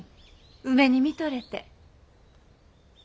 梅に見とれて。